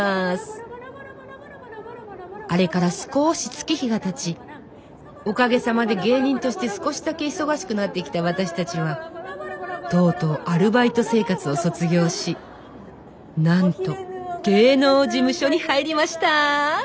あれから少し月日がたちおかげさまで芸人として少しだけ忙しくなってきた私たちはとうとうアルバイト生活を卒業しなんと芸能事務所に入りました。